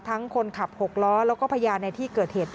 ทั้งคนขับหกล้อแล้วก็พยายามในที่เกิดเหตุ